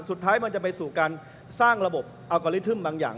สุดท้ายมันจะไปสู่การสร้างระบบอัลกอลิทึมบางอย่าง